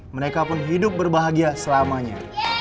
mereka pun hidup berbahagia selamanya